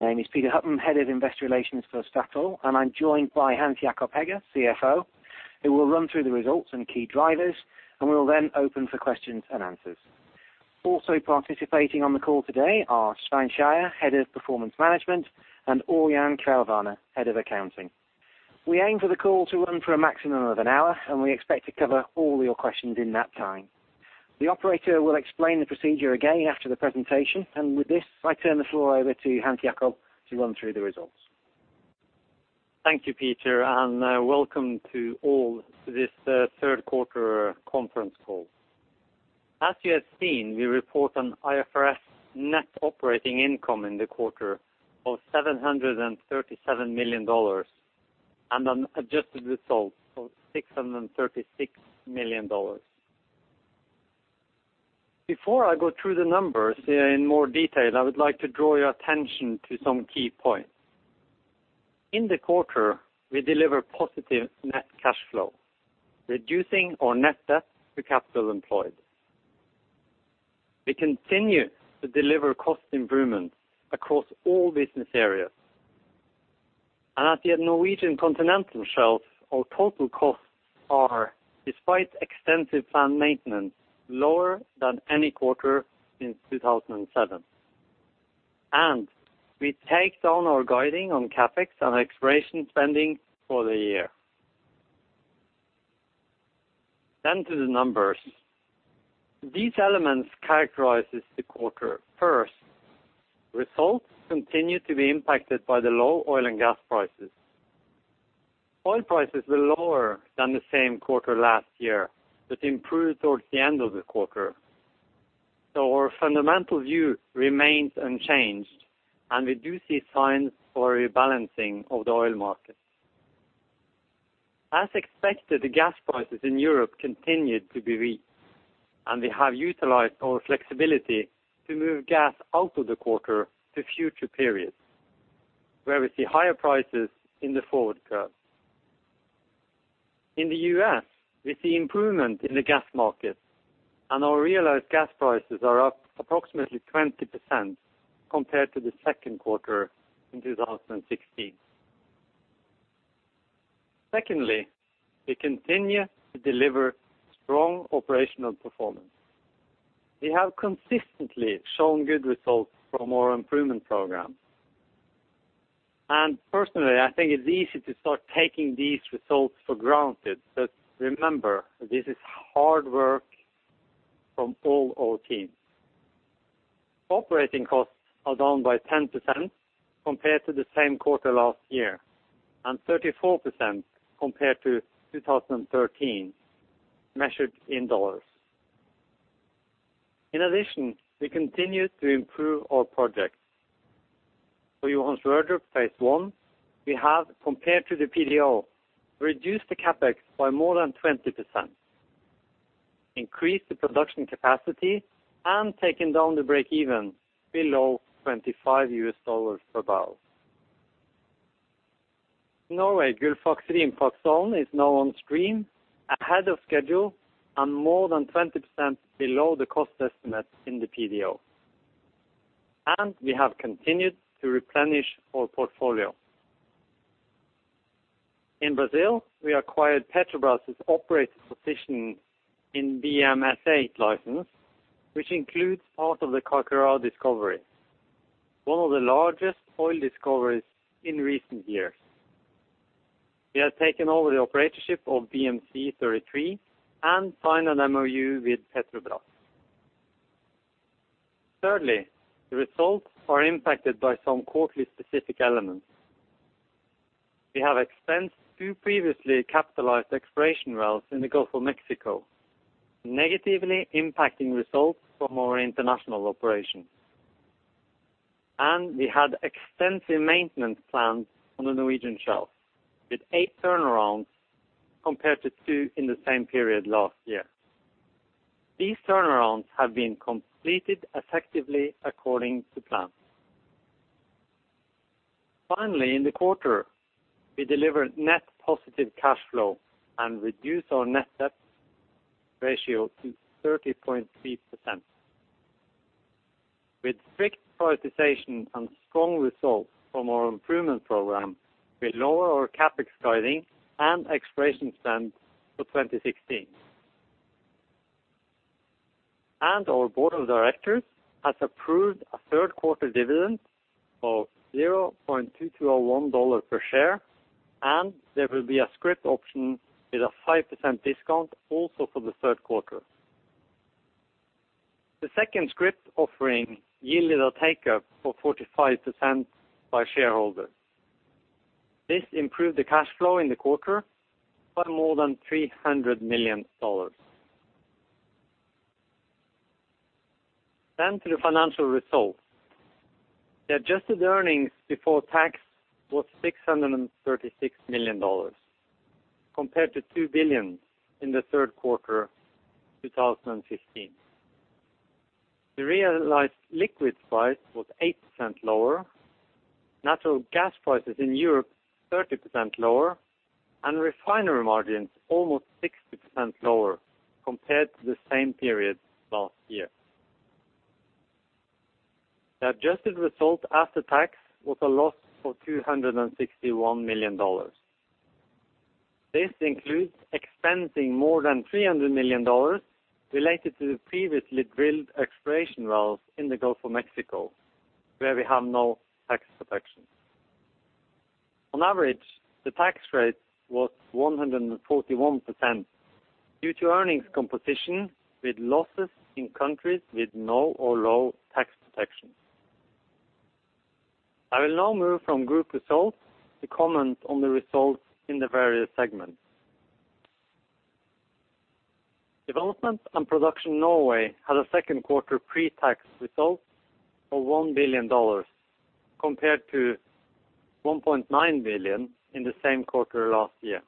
My name is Peter Hutton, Head of Investor Relations for Equinor, and I'm joined by Hans Jakob Hegge, CFO, who will run through the results and key drivers, and we will then open for questions-and-answers. Also participating on the call today are Svein Skeie, Head of Performance Management, and Ørjan Kvelvane, Head of Accounting. We aim for the call to run for a maximum of an hour, and we expect to cover all your questions in that time. The operator will explain the procedure again after the presentation. With this, I turn the floor over to Hans Jakob to run through the results. Thank you, Peter, and welcome to all to this third quarter conference call. As you have seen, we report an IFRS net operating income in the quarter of $737 million and an adjusted result of $636 million. Before I go through the numbers in more detail, I would like to draw your attention to some key points. In the quarter, we deliver positive net cash flow, reducing our net debt to capital employed. We continue to deliver cost improvements across all business areas. At the Norwegian Continental Shelf, our total costs are, despite extensive plant maintenance, lower than any quarter since 2007. We take down our guidance on CapEx and exploration spending for the year. To the numbers. These elements characterizes the quarter. First, results continue to be impacted by the low oil and gas prices. Oil prices were lower than the same quarter last year, but improved towards the end of the quarter. Our fundamental view remains unchanged, and we do see signs for a rebalancing of the oil market. As expected, the gas prices in Europe continued to be weak, and we have utilized our flexibility to move gas out of the quarter to future periods, where we see higher prices in the forward curve. In the U.S., we see improvement in the gas market, and our realized gas prices are up approximately 20% compared to the second quarter in 2016. Secondly, we continue to deliver strong operational performance. We have consistently shown good results from our improvement program. Personally, I think it's easy to start taking these results for granted. Remember, this is hard work from all our teams. Operating costs are down by 10% compared to the same quarter last year and 34% compared to 2013, measured in dollars. In addition, we continue to improve our projects. For Johan Sverdrup Phase 1, we have, compared to the PDO, reduced the CapEx by more than 20%, increased the production capacity, and taken down the break-even below $25 per barrel. Norway, Gullfaks and Rimfaksdalen is now on stream ahead of schedule and more than 20% below the cost estimate in the PDO. We have continued to replenish our portfolio. In Brazil, we acquired Petrobras' operator position in BM-S-8 license, which includes part of the Carcará discovery, one of the largest oil discoveries in recent years. We have taken over the operatorship of BM-C-33 and signed an MoU with Petrobras. Thirdly, the results are impacted by some quarterly specific elements. We have expensed two previously capitalized exploration wells in the Gulf of Mexico, negatively impacting results from our international operations. We had extensive maintenance plans on the Norwegian Shelf, with eight turnarounds compared to two in the same period last year. These turnarounds have been completed effectively according to plan. Finally, in the quarter, we delivered net positive cash flow and reduced our net debt ratio to 30.3%. With strict prioritization and strong results from our improvement program, we lower our CapEx guidance and exploration spend for 2016. Our board of directors has approved a third quarter dividend of $0.2201 per share, and there will be a scrip option with a 5% discount also for the third quarter. The second scrip offering yielded a take-up of 45% by shareholders. This improved the cash flow in the quarter by more than $300 million. To the financial results. The adjusted earnings before tax was $636 million compared to $2 billion in the third quarter 2015. The realized liquids price was 8% lower. Natural gas prices in Europe, 30% lower. Refinery margins almost 60% lower compared to the same period last year. The adjusted result after tax was a loss of $261 million. This includes expensing more than $300 million related to the previously drilled exploration wells in the Gulf of Mexico, where we have no tax protection. On average, the tax rate was 141% due to earnings composition with losses in countries with no or low tax protection. I will now move from group results to comment on the results in the various segments. Development and Production Norway had a second quarter pre-tax result of $1 billion compared to $1.9 billion in the same quarter last year.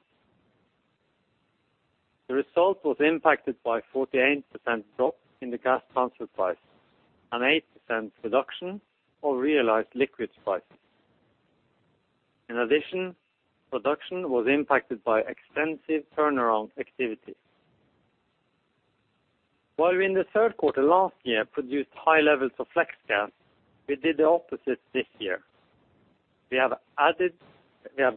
The result was impacted by 48% drop in the gas transfer price, an 8% reduction of realized liquids prices. In addition, production was impacted by extensive turnaround activities. While we in the third quarter last year produced high levels of flex gas, we did the opposite this year. We have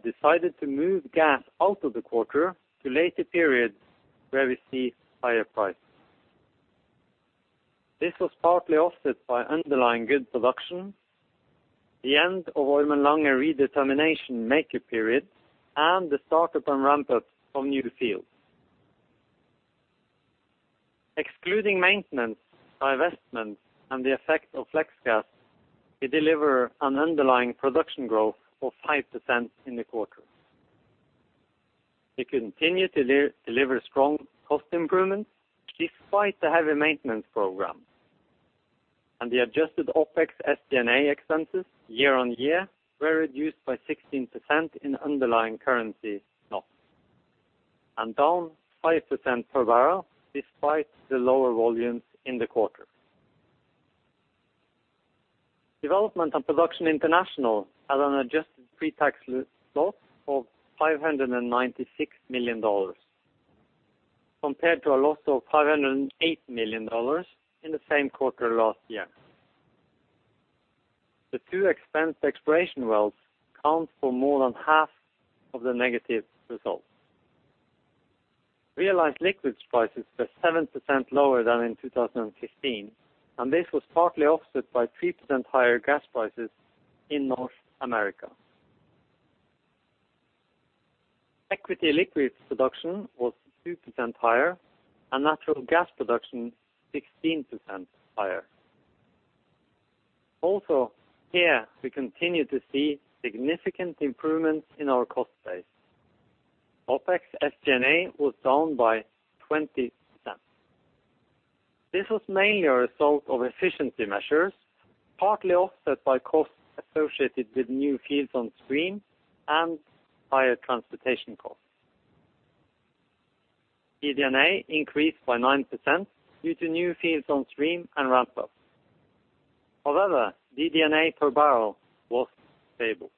decided to move gas out of the quarter to later periods where we see higher prices. This was partly offset by underlying good production, the end of Ormen Lange redetermination make-up period, and the startup and ramp-up of new fields. Excluding maintenance, divestments, and the effect of flex gas, we deliver an underlying production growth of 5% in the quarter. We continue to deliver strong cost improvements despite the heavy maintenance program. The adjusted OpEx SG&A expenses year-on-year were reduced by 16% in underlying currency NOK. Down 5% per barrel despite the lower volumes in the quarter. Development and Production International had an adjusted pre-tax loss of $596 million compared to a loss of $508 million in the same quarter last year. The two expensed exploration wells account for more than half of the negative results. Realized liquids prices were 7% lower than in 2015, and this was partly offset by 3% higher gas prices in North America. Equity liquids production was 2% higher, and natural gas production 16% higher. Also, here we continue to see significant improvements in our cost base. OpEx SG&A was down by 20%. This was mainly a result of efficiency measures, partly offset by costs associated with new fields on stream and higher transportation costs. DD&A increased by 9% due to new fields on stream and ramp-ups. However, DD&A per barrel was stable.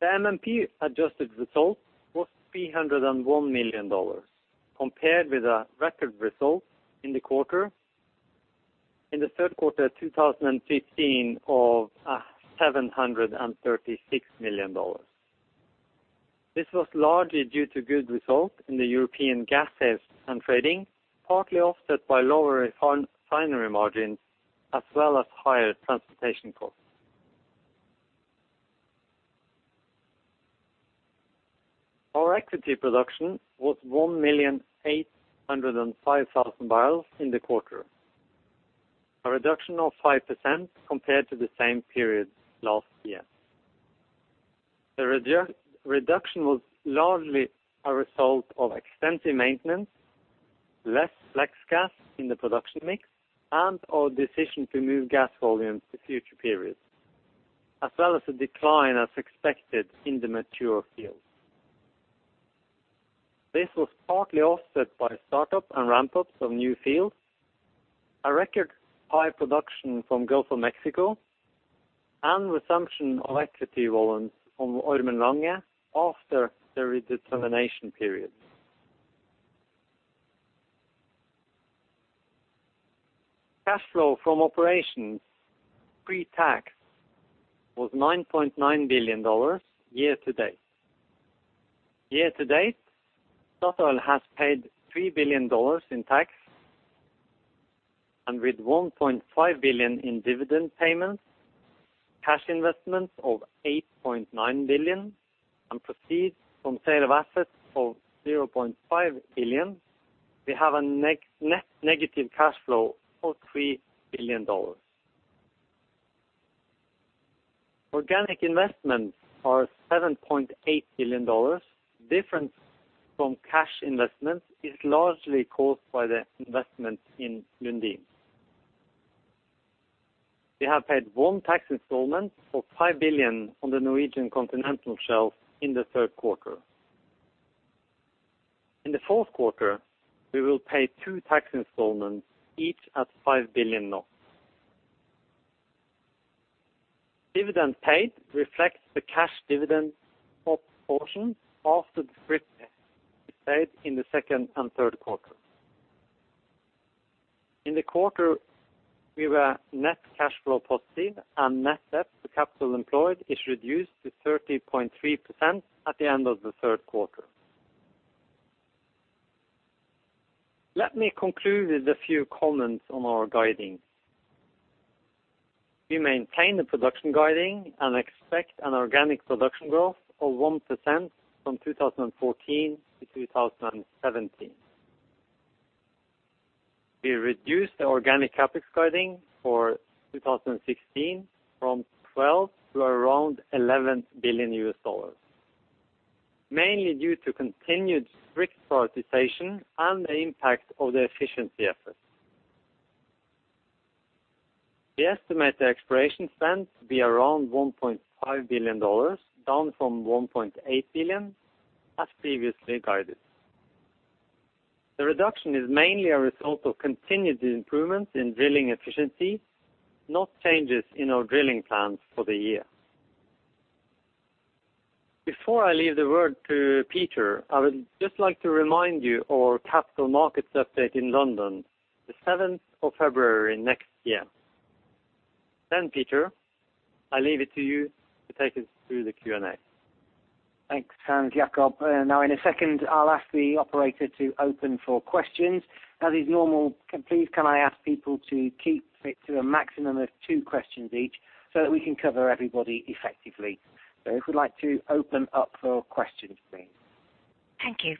The MMP adjusted result was $301 million compared with a record result in the quarter, in the third quarter 2015 of $736 million. This was largely due to good results in the European gas sales and trading, partly offset by lower refinery margins as well as higher transportation costs. Our equity production was 1,805,000 barrels in the quarter, a reduction of 5% compared to the same period last year. The reduction was largely a result of extensive maintenance, less flex gas in the production mix, and our decision to move gas volumes to future periods, as well as the decline as expected in the mature fields. This was partly offset by startup and ramp-ups of new fields, a record high production from Gulf of Mexico, and resumption of equity volumes on Ormen Lange after the redetermination period. Cash flow from operations pre-tax was $9.9 billion year-to-date. Year-to-date, Statoil has paid $3 billion in tax, and with $1.5 billion in dividend payments, cash investments of $8.9 billion, and proceeds from sale of assets of $0.5 billion, we have a negative cash flow of $3 billion. Organic investments are $7.8 billion. Difference from cash investments is largely caused by the investment in Lundin. We have paid one tax installment of 5 billion on the Norwegian Continental Shelf in the third quarter. In the fourth quarter, we will pay two tax installments, each at 5 billion. Dividend paid reflects the cash dividend portion of the $0.50 paid in the second and third quarter. In the quarter, we were net cash flow positive and net debt to capital employed is reduced to 30.3% at the end of the third quarter. Let me conclude with a few comments on our guiding. We maintain the production guiding and expect an organic production growth of 1% from 2014-2017. We reduced the organic CapEx guiding for 2016 from $12 billion to around $11 billion, mainly due to continued strict prioritization and the impact of the efficiency efforts. We estimate the exploration spend to be around $1.5 billion, down from $1.8 billion as previously guided. The reduction is mainly a result of continued improvements in drilling efficiency, not changes in our drilling plans for the year. Before I leave the word to Peter, I would just like to remind you our capital markets update in London, the seventh of February next year. Peter, I leave it to you to take us through the Q&A. Thanks, Hans Jakob. Now, in a second, I'll ask the operator to open for questions. As is normal, can I ask people to keep it to a maximum of two questions each so that we can cover everybody effectively. If we'd like to open up for questions, please. Thank you.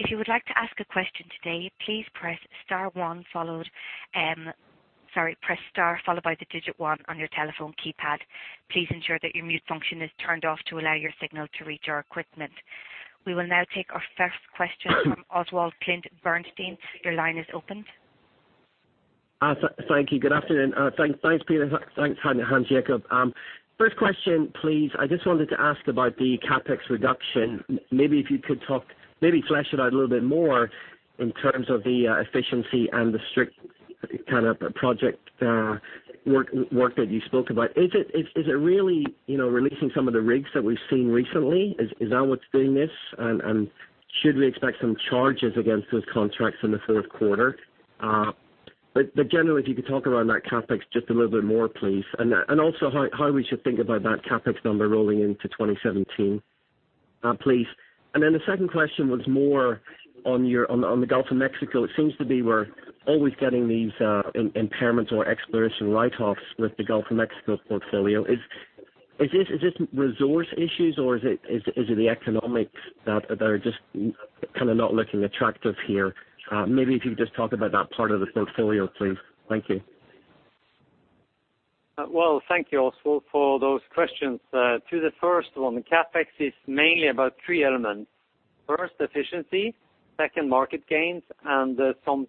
If you would like to ask a question today, please press star followed by the digit one on your telephone keypad. Please ensure that your mute function is turned off to allow your signal to reach our equipment. We will now take our first question from Oswald Clint, Bernstein. Your line is open. Thank you. Good afternoon. Thanks, Peter. Thanks, Hans Jacob. First question, please. I just wanted to ask about the CapEx reduction. Maybe if you could talk, maybe flesh it out a little bit more in terms of the efficiency and the strict kind of project work that you spoke about. Is it really, you know, releasing some of the rigs that we've seen recently? Is that what's doing this? And should we expect some charges against those contracts in the fourth quarter? Generally, if you could talk around that CapEx just a little bit more, please. Also how we should think about that CapEx number rolling into 2017, please. Then the second question was more on the Gulf of Mexico. It seems to be we're always getting these impairments or exploration write-offs with the Gulf of Mexico portfolio. Is this resource issues or is it the economics that are just kind of not looking attractive here? Maybe if you just talk about that part of the portfolio, please. Thank you. Well, thank you, Oswald, for those questions. To the first one, the CapEx is mainly about three elements. First, efficiency, second, market gains, and some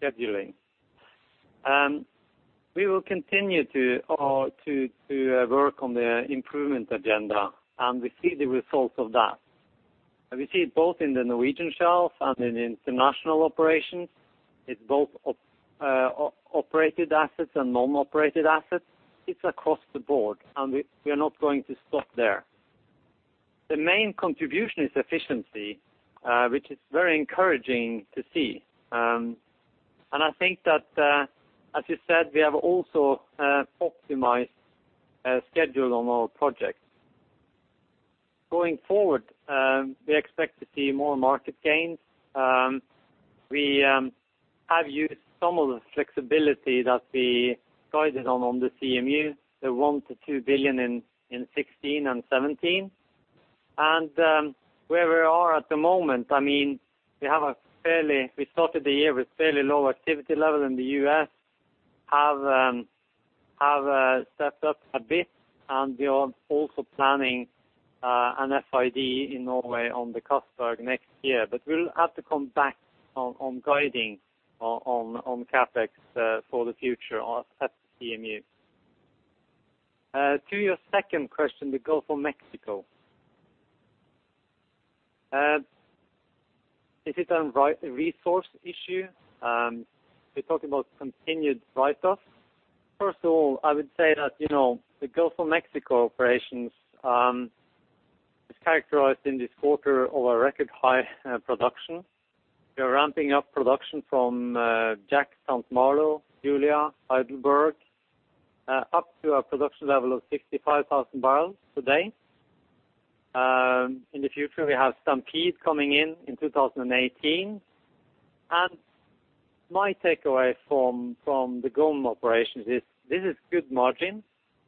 scheduling. We will continue to work on the improvement agenda, and we see the results of that. We see it both in the Norwegian Shelf and in international operations. It's both operated assets and non-operated assets. It's across the board, and we are not going to stop there. The main contribution is efficiency, which is very encouraging to see. I think that, as you said, we have also optimized schedule on our projects. Going forward, we expect to see more market gains. We have used some of the flexibility that we guided on the CMU, the $1 billion-$2 billion in 2016 and 2017. Where we are at the moment, I mean, we have a fairly low activity level. We started the year with fairly low activity level in the U.S., have stepped up a bit, and we are also planning an FID in Norway on the Castberg next year. We'll have to come back on guiding on CapEx for the future at CMU. To your second question, the Gulf of Mexico. Is it a resource issue? You're talking about continued write-offs. First of all, I would say that, you know, the Gulf of Mexico operations is characterized in this quarter by a record high production. We are ramping up production from Jack, St. Malo, Julia, Heidelberg up to a production level of 65,000 barrels today. In the future, we have Stampede coming in in 2018. My takeaway from the GoM operations is this is good margins,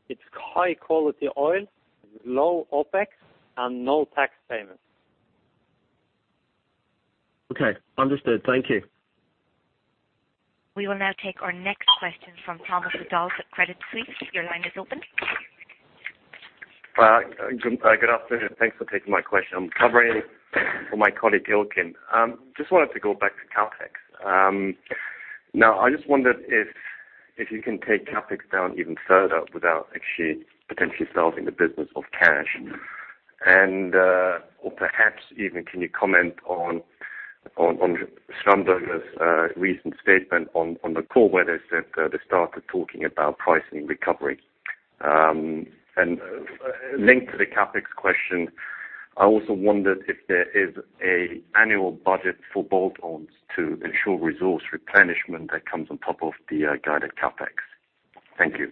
it's high quality oil, low OpEx, and no tax payments. Okay. Understood. Thank you. We will now take our next question from Thomas Adolff at Credit Suisse. Your line is open. Good afternoon. Thanks for taking my question. I'm covering for my colleague, Ilkin. Just wanted to go back to CapEx. Now I just wondered if If you can take CapEx down even further without actually potentially selling the business or cash? Or perhaps even can you comment on Schlumberger's recent statement on the call, where they said they started talking about pricing recovery. Linked to the CapEx question, I also wondered if there is an annual budget for bolt-ons to ensure resource replenishment that comes on top of the guided CapEx. Thank you.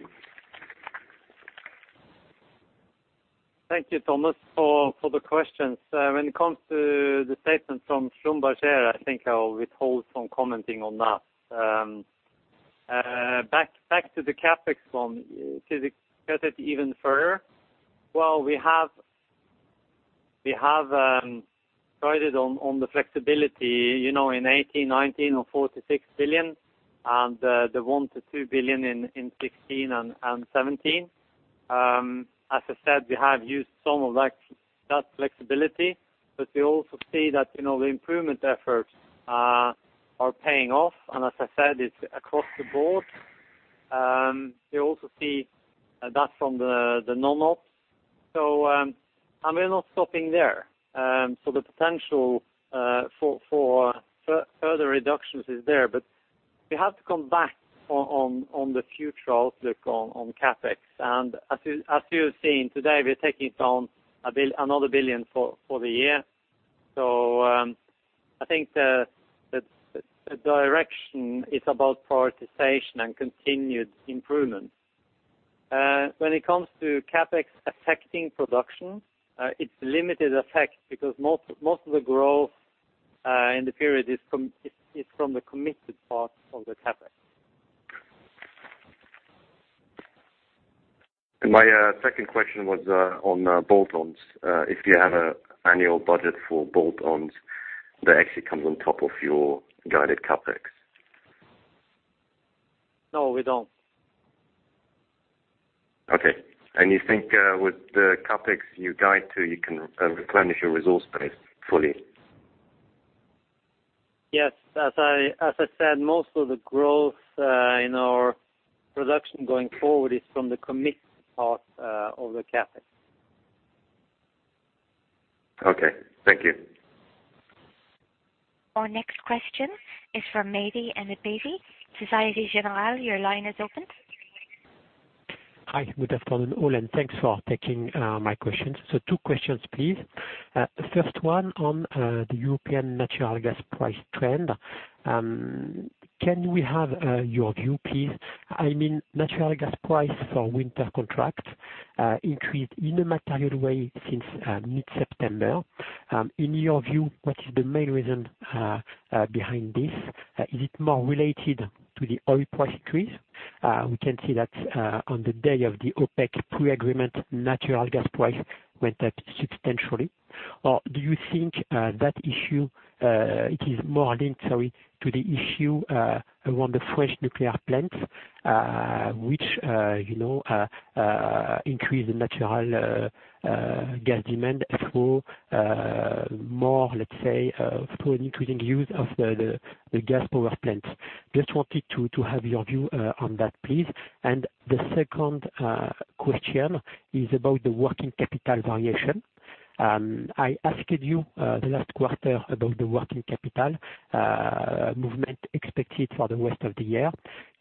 Thank you, Thomas, for the questions. When it comes to the statement from Schlumberger, I think I'll withhold from commenting on that. Back to the CapEx one, to cut it even further. We have traded on the flexibility, you know, in 2018, 2019 or $46 billion and the $1 billion-$2 billion in 2016 and 2017. As I said, we have used some of that flexibility, but we also see that, you know, the improvement efforts are paying off. As I said, it's across the board. We also see that from the normal. We're not stopping there. The potential for further reductions is there, but we have to come back on the future outlook on CapEx. As you're seeing today, we're taking down another $1 billion for the year. I think the direction is about prioritization and continued improvement. When it comes to CapEx affecting production, it's limited effect because most of the growth in the period is from the committed part of the CapEx. My second question was on bolt-ons. If you have an annual budget for bolt-ons that actually comes on top of your guided CapEx. No, we don't. Okay. You think, with the CapEx you guide to, you can replenish your resource base fully? Yes. As I said, most of the growth in our production going forward is from the committed part of the CapEx. Okay, thank you. Our next question is from Marc Sheridan, Société Générale. Your line is open. Hi. Good afternoon, all, and thanks for taking my questions. Two questions, please. First one on the European natural gas price trend. Can we have your view, please? I mean, natural gas price for winter contract increased in a material way since mid-September. In your view, what is the main reason behind this? Is it more related to the oil price increase? We can see that on the day of the OPEC pre-agreement, natural gas price went up substantially. Do you think that issue it is more linked, sorry, to the issue around the French nuclear plants, which you know increase the natural gas demand through more, let's say, through an increasing use of the gas power plants. Just wanted to have your view on that, please. The second question is about the working capital variation. I asked you the last quarter about the working capital movement expected for the rest of the year.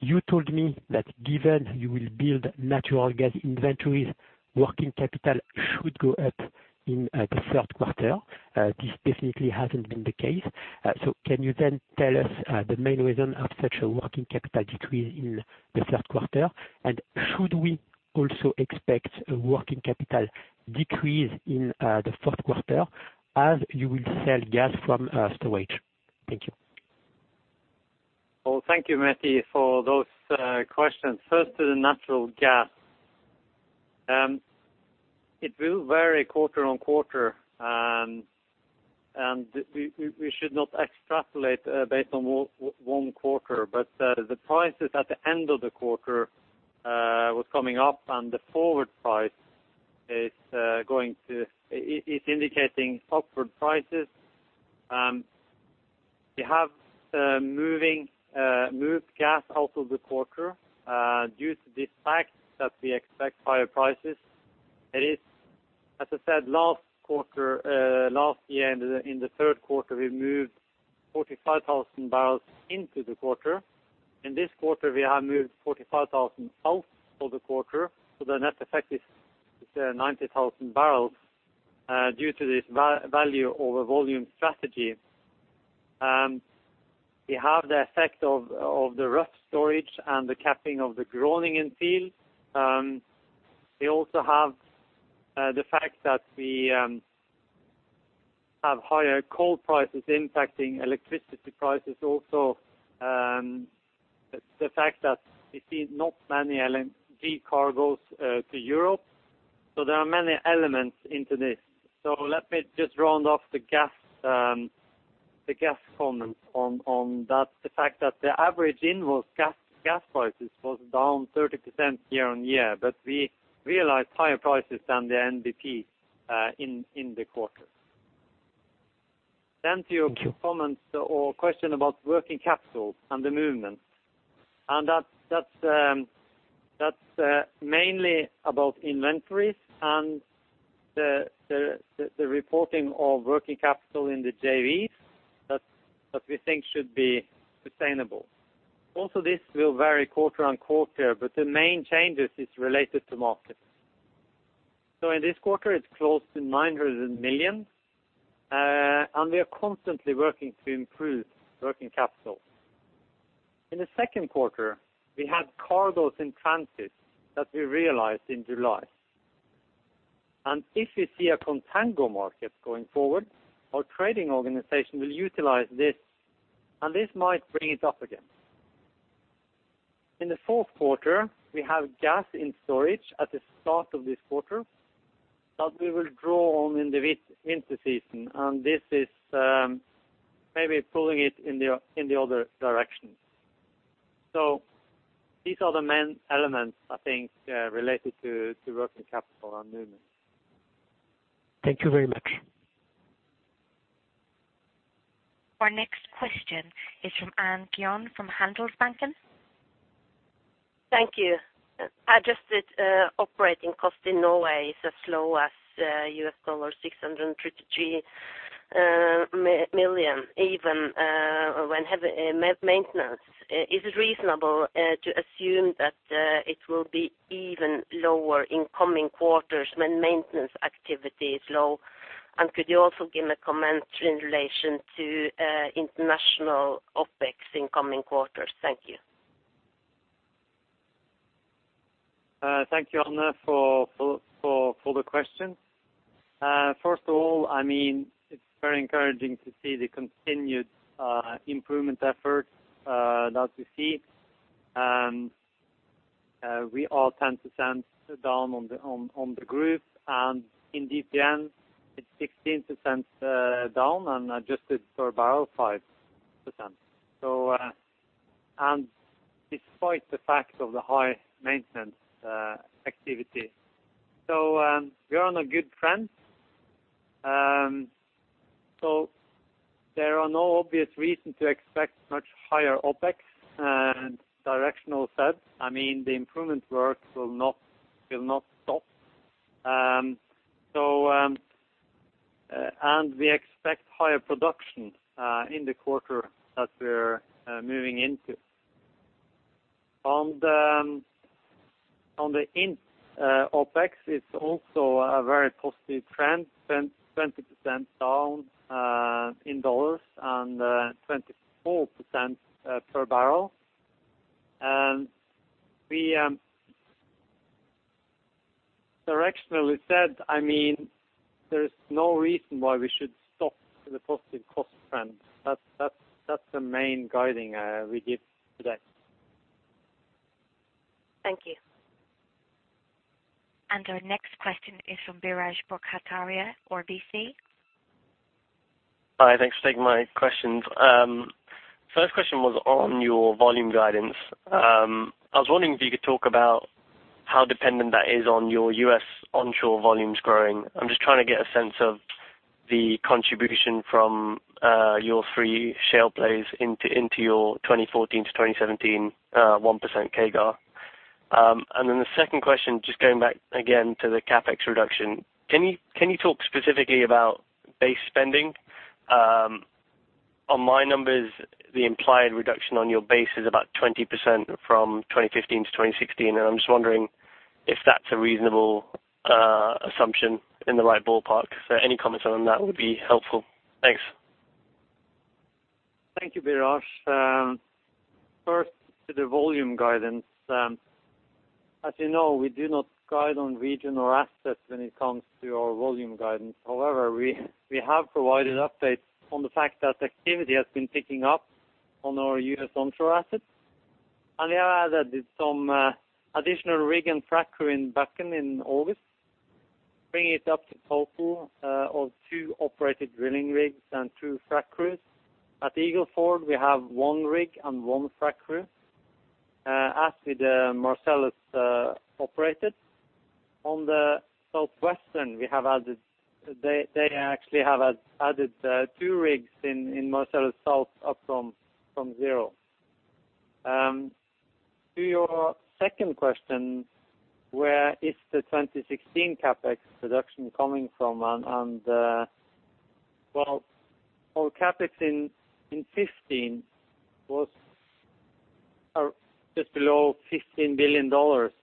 You told me that given you will build natural gas inventories, working capital should go up in the third quarter. This definitely hasn't been the case. Can you then tell us the main reason of such a working capital decrease in the third quarter? Should we also expect a working capital decrease in the fourth quarter as you will sell gas from storage? Thank you. Well, thank you, Marc, for those questions. First, to the natural gas. It will vary quarter-on-quarter, and we should not extrapolate based on one quarter. The prices at the end of the quarter was coming up and the forward price is indicating upward prices. We have moved gas out of the quarter due to the fact that we expect higher prices. It is, as I said, last quarter last year in the third quarter, we moved 45,000 barrels into the quarter. In this quarter, we have moved 45,000 out of the quarter. The net effect is 90,000 barrels due to this value over volume strategy. We have the effect of the Rough storage and the capping of the Groningen field. We also have the fact that we have higher coal prices impacting electricity prices also, the fact that we see not many LNG cargos to Europe. There are many elements into this. Let me just round off the gas comment on that. The fact that the average NBP gas prices was down 30% year-on-year, but we realized higher prices than the NBP in the quarter. To your comment or question about working capital and the movement, and that's mainly about inventories and the reporting of working capital in the JVs that we think should be sustainable. This will vary quarter-on-quarter, but the main changes is related to markets. In this quarter, it's close to 900 million, and we are constantly working to improve working capital. In the second quarter, we had cargoes in transit that we realized in July. If we see a contango market going forward, our trading organization will utilize this, and this might bring it up again. In the fourth quarter, we have gas in storage at the start of this quarter that we will draw on in the winter season, and this is maybe pulling it in the other direction. These are the main elements I think related to working capital and movement. Thank you very much. Our next question is from Anne Gjoen from Handelsbanken. Thank you. Adjusted operating costs in Norway is as low as $633 million, even when we have maintenance. Is it reasonable to assume that it will be even lower in coming quarters when maintenance activity is low? Could you also give a comment in relation to international OpEx in coming quarters? Thank you. Thank you, Anne, for the question. First of all, I mean, it's very encouraging to see the continued improvement efforts that we see. We are 10% down on the group, and in DPN, it's 16% down and adjusted per barrel, 5%. And despite the fact of the high maintenance activity. We are on a good trend. There are no obvious reason to expect much higher OpEx and directional set. I mean, the improvement work will not stop. And we expect higher production in the quarter that we're moving into. On the OpEx, it's also a very positive trend, 10-20% down in dollars and 24% per barrel. And we... Directionally said, I mean, there is no reason why we should stop the positive cost trend. That's the main guiding we give today. Thank you. Our next question is from Biraj Borkhataria, RBC. Hi. Thanks for taking my questions. First question was on your volume guidance. I was wondering if you could talk about how dependent that is on your U.S. onshore volumes growing. I'm just trying to get a sense of the contribution from your three shale plays into your 2014-2017 1% CAGR. The second question, just going back again to the CapEx reduction. Can you talk specifically about base spending? On my numbers, the implied reduction on your base is about 20% from 2015-2016, and I'm just wondering if that's a reasonable assumption in the right ballpark. Any comments on that would be helpful. Thanks. Thank you, Biraj. First to the volume guidance. As you know, we do not guide on regional assets when it comes to our volume guidance. However, we have provided updates on the fact that activity has been picking up on our U.S. onshore assets. We have added some additional rig and fracker in Bakken in August, bringing it up to total of two operated drilling rigs and two frac crews. At Eagle Ford, we have one rig and one frac crew, as with Marcellus operated. On the Southwestern, we have added, they actually have added two rigs in Marcellus South up from zero. To your second question, where is the 2016 CapEx reduction coming from? Well, our CapEx in 2015 was just below $15 billion,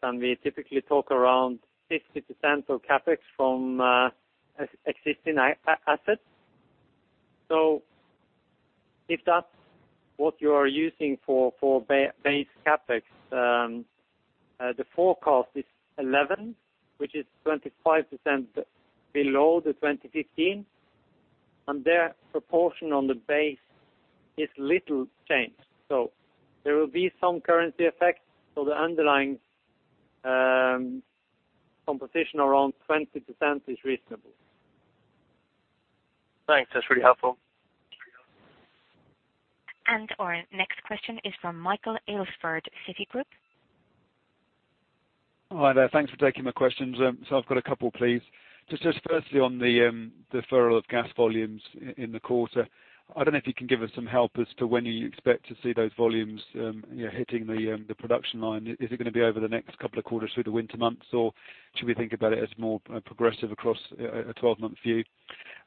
and we typically talk around 50% of CapEx from existing assets. If that's what you are using for base CapEx, the forecast is $11 billion, which is 25% below the 2015, and the proportion on the base is little change. There will be some currency effects. The underlying composition around 20% is reasonable. Thanks. That's really helpful. Our next question is from Michael Alsford, Citigroup. Hi there. Thanks for taking my questions. So I've got a couple, please. Just firstly, on the deferral of gas volumes in the quarter, I don't know if you can give us some help as to when you expect to see those volumes, you know, hitting the production line. Is it gonna be over the next couple of quarters through the winter months, or should we think about it as more progressive across a 12-month view?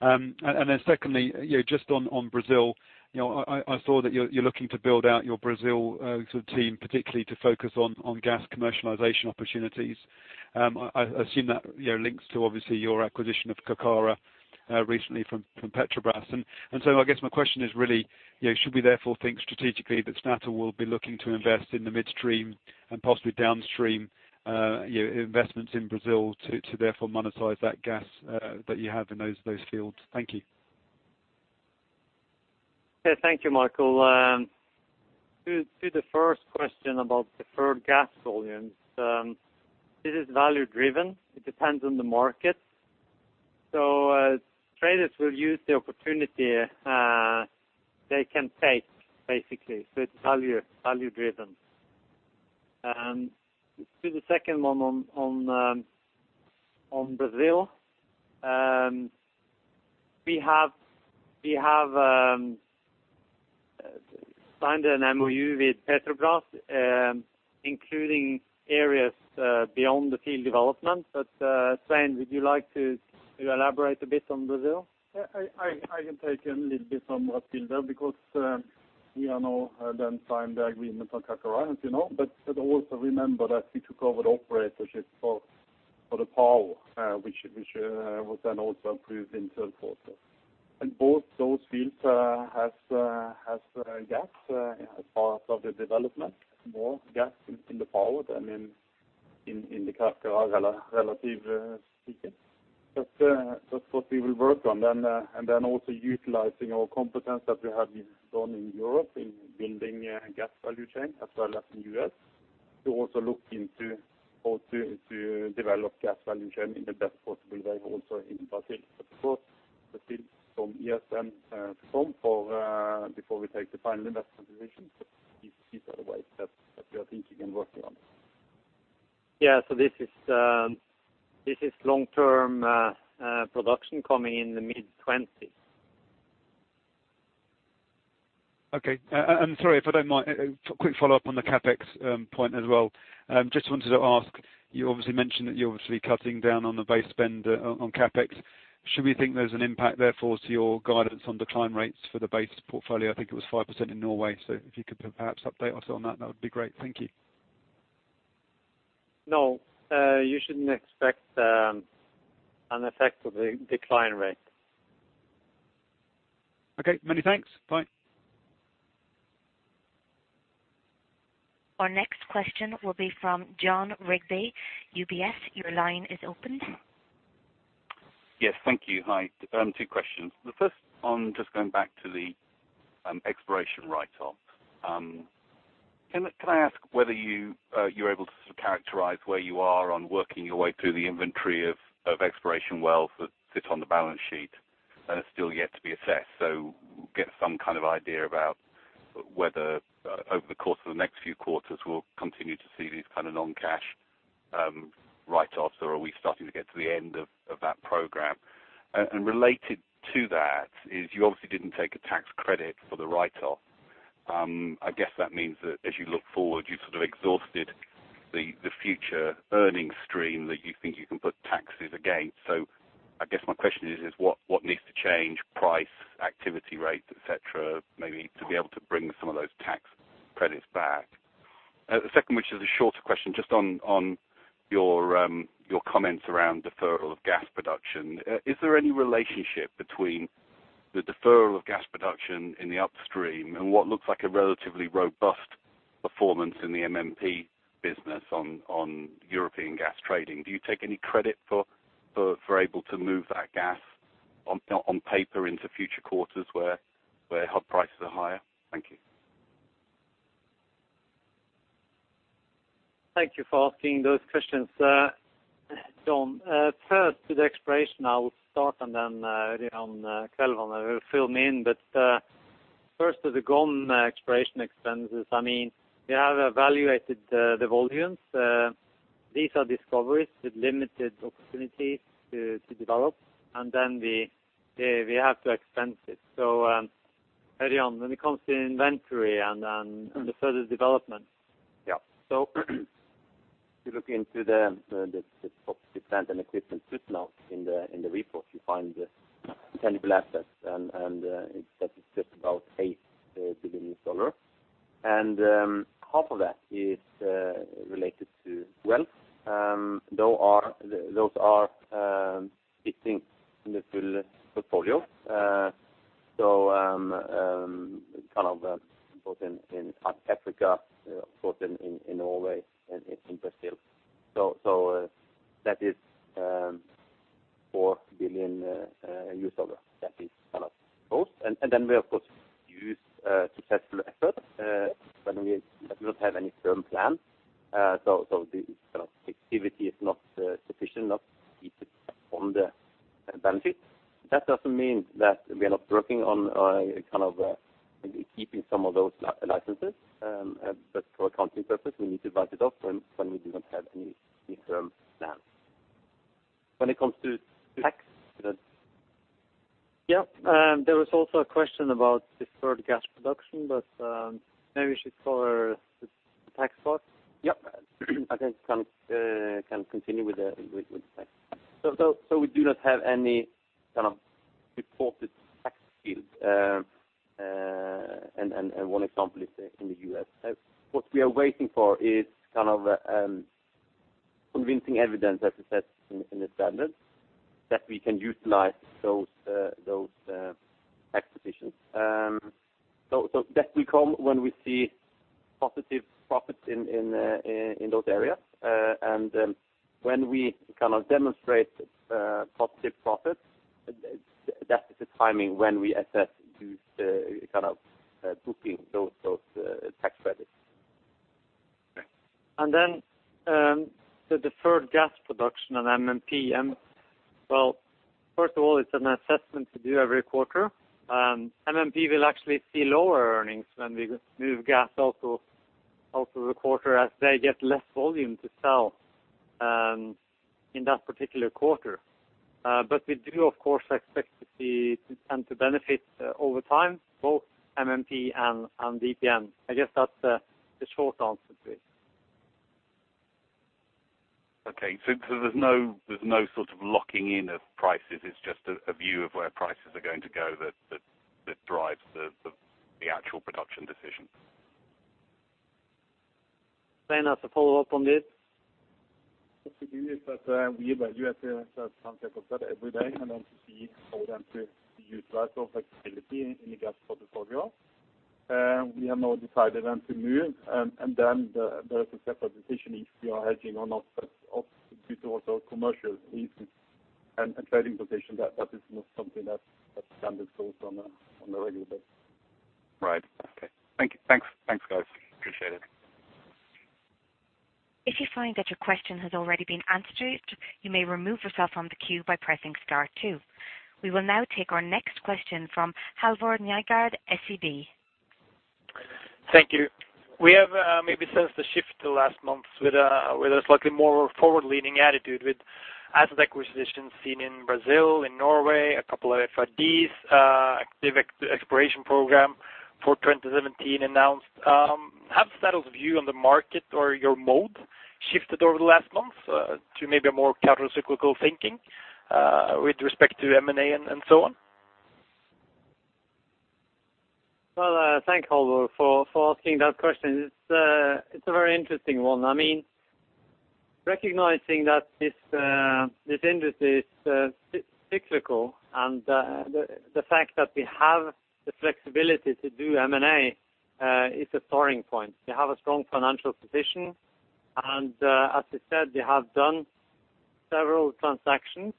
And then secondly, you know, just on Brazil, you know, I saw that you're looking to build out your Brazil sort of team, particularly to focus on gas commercialization opportunities. I assume that, you know, links to obviously your acquisition of Carcará recently from Petrobras. I guess my question is really, you know, should we therefore think strategically that Statoil will be looking to invest in the midstream and possibly downstream, you know, investments in Brazil to therefore monetize that gas, that you have in those fields? Thank you. Yeah. Thank you, Michael. To the first question about deferred gas volumes, it is value-driven. It depends on the market. Traders will use the opportunity they can take, basically. It's value-driven. To the second one on Brazil, we have signed an MOU with Petrobras, including areas beyond the field development. Svein, would you like to elaborate a bit on Brazil? Yeah. I can take a little bit from what Hilde said because we have now signed the agreement on Carcará, as you know. Also remember that we took over the operatorship for Peregrino, which was then also approved in third quarter. Both those fields has gas as part of the development. More gas in the Peregrino and in the Carcará relatively speaking. That's what we will work on. Also utilizing our competence that we have done in Europe in building a gas value chain as well as in U.S. to also look into how to develop gas value chain in the best possible way also in Brazil. Of course the teams from MMP come for before we take the final investment decision. These are the ways that we are thinking and working on. Yeah. This is long-term production coming in the mid-2020s. Okay. And sorry, if I don't mind, a quick follow-up on the CapEx point as well. Just wanted to ask, you obviously mentioned that you're obviously cutting down on the base spend on CapEx. Should we think there's an impact therefore to your guidance on decline rates for the base portfolio? I think it was 5% in Norway. If you could perhaps update us on that would be great. Thank you. No. You shouldn't expect an effect of the decline rate. Okay. Many thanks. Bye. Our next question will be from Jon Rigby, UBS. Your line is open. Yes. Thank you. Hi. Two questions. The first on just going back to the exploration write-off. Can I ask whether you're able to characterize where you are on working your way through the inventory of exploration wells that sit on the balance sheet and are still yet to be assessed? Get some kind of idea about whether over the course of the next few quarters, we'll continue to see these kind of non-cash write-offs, or are we starting to get to the end of that program? Related to that is you obviously didn't take a tax credit for the write-off. I guess that means that as you look forward, you sort of exhausted the future earning stream that you think you can put taxes against. I guess my question is what needs to change, price, activity rates, et cetera, maybe, to be able to bring some of those tax credits back? The second, which is a shorter question, just on your comments around deferral of gas production. Is there any relationship between the deferral of gas production in the upstream and what looks like a relatively robust performance in the MMP business on European gas trading? Do you take any credit for able to move that gas on paper into future quarters where hub prices are higher? Thank you. Thank you for asking those questions, Jon. First to the exploration I will start and then early on Ørjan Kvelvane will fill me in. First to the GoM exploration expenses. I mean, we have evaluated the volumes. These are discoveries with limited opportunities to develop, and then we have to expense it. Early on when it comes to inventory and then the further development. Yeah. If you look into the plant and equipment footnote in the report, you find the tangible assets and that is just about $8 billion. Half of that is related to EPI. Those are sitting in the full portfolio. Kind of both in Africa, both in Norway and in Brazil. That is $4 billion that is kind of both. Then we of course use successful effort when we do not have any firm plan. The kind of activity is not sufficient enough to On the benefit. That doesn't mean that we are not working on, kind of, maybe keeping some of those licenses. But for accounting purpose, we need to write it off when we do not have any near-term plans. When it comes to tax then? Yeah. There was also a question about deferred gas production, but maybe we should cover the tax part. Yeah. I think we can continue with the tax. We do not have any kind of reported tax benefit. One example is in the U.S. What we are waiting for is kind of convincing evidence, as it says in the standards, that we can utilize those tax positions. That will come when we see positive profits in those areas. When we kind of demonstrate positive profits, that is the timing when we are set to kind of book those tax credits. The deferred gas production on MMP, well, first of all, it's an assessment to do every quarter. MMP will actually see lower earnings when we move gas out to the quarter as they get less volume to sell in that particular quarter. We do, of course, expect to see and to benefit over time, both MMP and DPN. I guess that's the short answer to it. There's no sort of locking in of prices. It's just a view of where prices are going to go that drives the actual production decisions. Svein, to follow-up on this. What we do is that we evaluate the asset concept every day and then to see how then to utilize our flexibility in the gas portfolio. We have now decided then to move, and there is a separate decision if we are hedging or not, but due to also commercial reasons and trading position that that is not something that's done and goes on a regular basis. Right. Okay. Thank you. Thanks. Thanks, guys. Appreciate it. If you find that your question has already been answered, you may remove yourself from the queue by pressing star two. We will now take our next question from Halvor Nygaard, SEB. Thank you. We have maybe sensed a shift the last month with a slightly more forward-leaning attitude with asset acquisitions seen in Brazil, in Norway, a couple of FID active exploration program for 2017 announced. Have Statoil's view on the market or your mode shifted over the last month to maybe a more countercyclical thinking with respect to M&A and so on? Well, thank Halvor for asking that question. It's a very interesting one. I mean, recognizing that this industry is cyclical and the fact that we have the flexibility to do M&A is a starting point. We have a strong financial position, and as I said, we have done several transactions.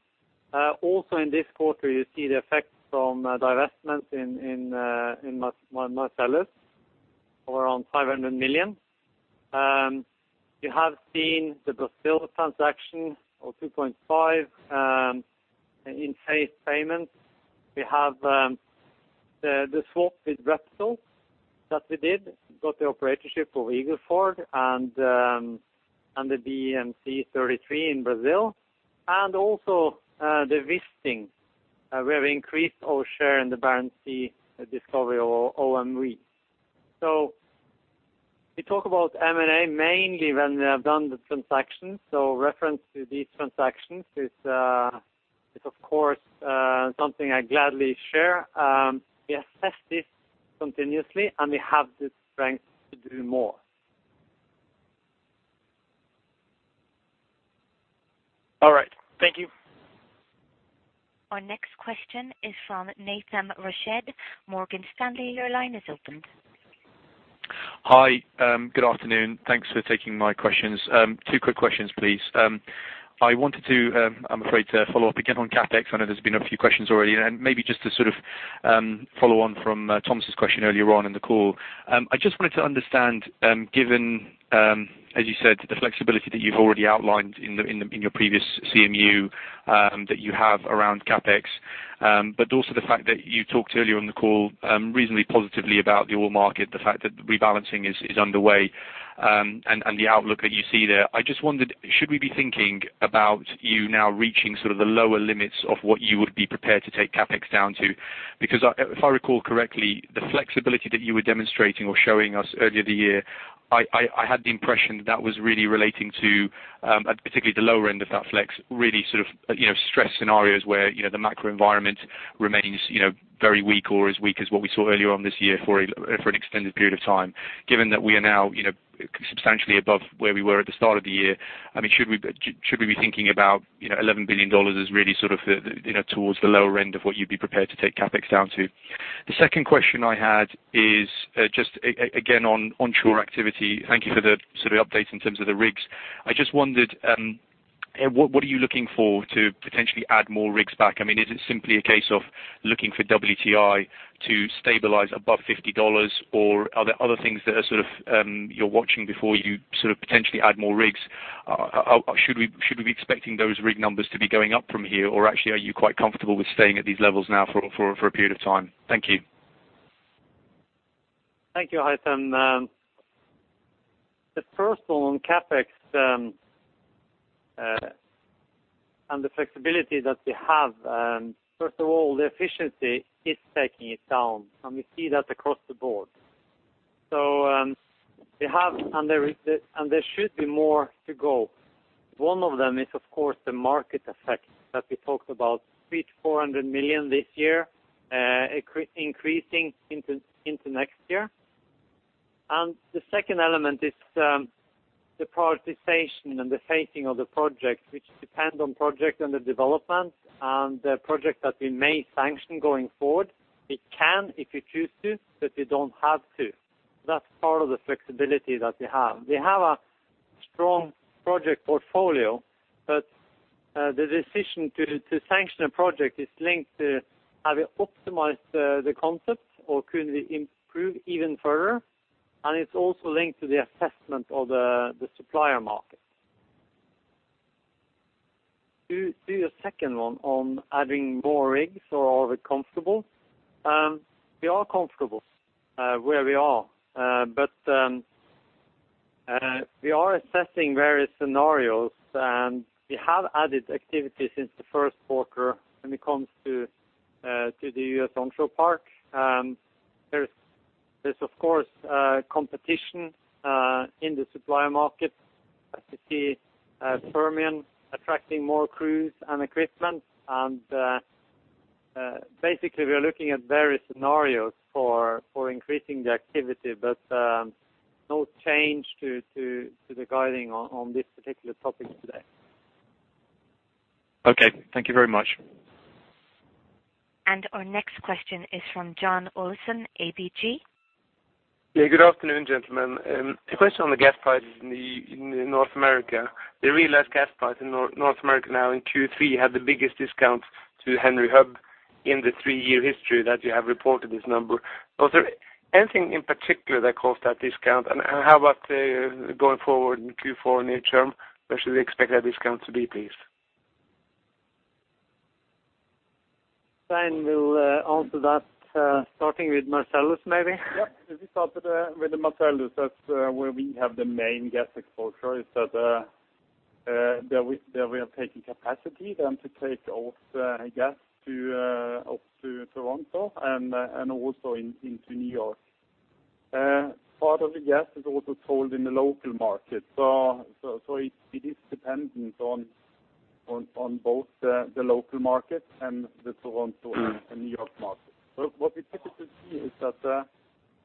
Also in this quarter, you see the effect from divestments in Marcellus of around $500 million. You have seen the Brazil transaction of $2.5 billion in phased payments. We have the swap with Repsol that we did, got the operatorship of Eagle Ford and the BM-C-33 in Brazil, and also the listing. We have increased our share in the Barents Sea discovery of OMV. We talk about M&A mainly when we have done the transactions. Reference to these transactions is of course something I gladly share. We assess this continuously, and we have the strength to do more. All right. Thank you. Our next question is from Nathan Reeves, Morgan Stanley. Your line is open. Hi. Good afternoon. Thanks for taking my questions. Two quick questions, please. I wanted to, I'm afraid to follow-up again on CapEx. I know there's been a few questions already. Maybe just to sort of follow on from Thomas's question earlier on in the call. I just wanted to understand, given as you said, the flexibility that you've already outlined in your previous CMU, that you have around CapEx, but also the fact that you talked earlier on the call reasonably positively about the oil market, the fact that rebalancing is underway, and the outlook that you see there. I just wondered, should we be thinking about you now reaching sort of the lower limits of what you would be prepared to take CapEx down to? Because if I recall correctly, the flexibility that you were demonstrating or showing us earlier in the year, I had the impression that was really relating to particularly the lower end of that flex, really sort of you know stress scenarios where you know the macro environment remains you know very weak or as weak as what we saw earlier on this year for an extended period of time. Given that we are now you know substantially above where we were at the start of the year, I mean, should we be thinking about you know $11 billion as really sort of the you know towards the lower end of what you'd be prepared to take CapEx down to? The second question I had is just again on onshore activity. Thank you for the sort of update in terms of the rigs. I just wondered, what are you looking for to potentially add more rigs back? I mean, is it simply a case of looking for WTI to stabilize above $50, or are there other things that are sort of you're watching before you sort of potentially add more rigs? Should we be expecting those rig numbers to be going up from here? Or actually, are you quite comfortable with staying at these levels now for a period of time? Thank you. Thank you, Nathan. The first one on CapEx and the flexibility that we have, first of all, the efficiency is taking it down, and we see that across the board. We have, and there should be more to go. One of them is, of course, the market effect that we talked about, $300 million-$400 million this year, increasing into next year. The second element is, the prioritization and the phasing of the project, which depend on project under development and the project that we may sanction going forward. It can if you choose to, but you don't have to. That's part of the flexibility that we have. We have a strong project portfolio, but the decision to sanction a project is linked to have it optimized, the concept or could we improve even further. It's also linked to the assessment of the supplier market. To your second one on adding more rigs or are we comfortable? We are comfortable where we are. We are assessing various scenarios, and we have added activity since the first quarter when it comes to the U.S. Onshore part. There's of course competition in the supplier market. I could see Permian attracting more crews and equipment, and basically, we are looking at various scenarios for increasing the activity, but no change to the guiding on this particular topic today. Okay, thank you very much. Our next question is from John Olaisen, ABG. Yeah. Good afternoon, gentlemen. A question on the gas prices in North America. The realized gas prices in North America now in Q3 had the biggest discounts to Henry Hub in the three-year history that you have reported this number. Was there anything in particular that caused that discount? How about going forward in Q4 and near-term, where should we expect that discount to be, please? Svein will answer that, starting with Marcellus, maybe. Yeah. If we start with the Marcellus, that's where we have the main gas exposure is that there we are taking capacity then to take off gas to up to Toronto and also into New York. Part of the gas is also sold in the local market. It is dependent on both the local market and the Toronto and the New York market. What we typically see is that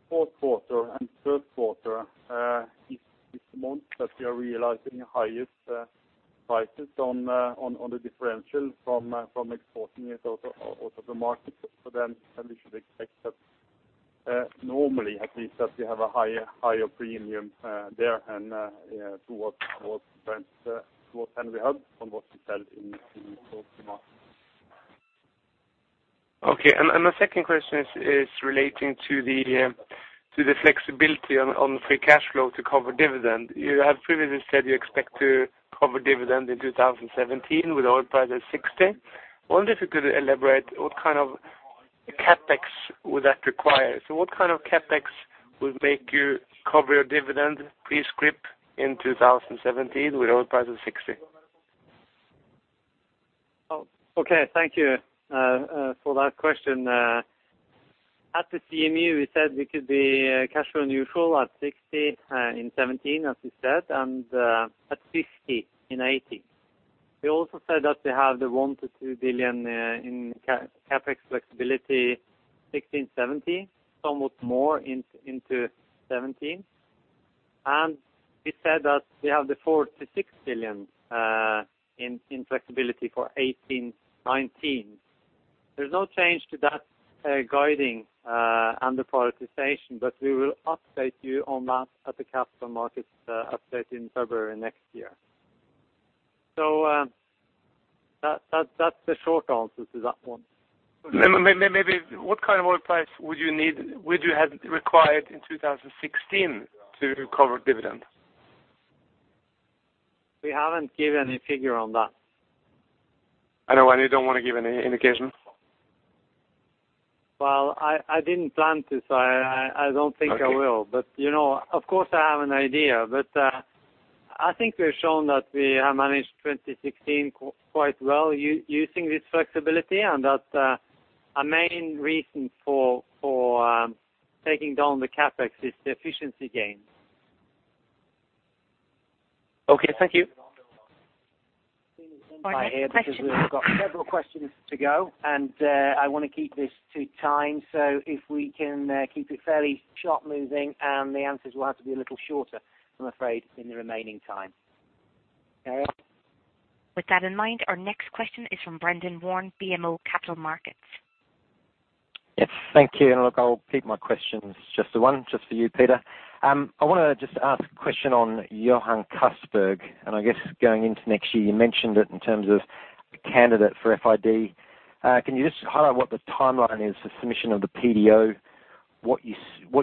fourth quarter and third quarter is these months that we are realizing highest prices on the differential from exporting it out of the market. We should expect that normally at least that we have a higher premium there and towards Henry Hub on what we sell in those markets. Okay. My second question is relating to the flexibility on free cash flow to cover dividend. You have previously said you expect to cover dividend in 2017 with oil price at 60. I wonder if you could elaborate what kind of CapEx would that require? What kind of CapEx would make you cover your dividend pre script in 2017 with oil price at 60? Thank you for that question. At the CMU, we said we could be cash flow neutral at 60 in 2017, as we said, and at 50 in 2018. We also said that we have the $1 billion-$2 billion in CapEx flexibility 2016, 2017, somewhat more into 2017. We said that we have the $4 billion-$6 billion in flexibility for 2018, 2019. There's no change to that guidance under prioritization, but we will update you on that at the capital markets update in February next year. That's the short answer to that one. Maybe what kind of oil price would you have required in 2016 to cover dividend? We haven't given any figure on that. I know. You don't want to give any indication? Well, I didn't plan to, so I don't think I will. Okay. You know, of course I have an idea. I think we've shown that we have managed 2016 quite well using this flexibility and that our main reason for taking down the CapEx is the efficiency gains. Okay, thank you. Our next question. We've got several questions to go, and, I wanna keep this to time. If we can keep it fairly short moving, and the answers will have to be a little shorter, I'm afraid, in the remaining time. Carrie? With that in mind, our next question is from Brendan Warn, BMO Capital Markets. Yes, thank you. Look, I'll keep my questions just to one, just for you, Peter. I wanna just ask a question on Johan Castberg, and I guess going into next year, you mentioned it in terms of a candidate for FID. Can you just highlight what the timeline is for submission of the PDO? What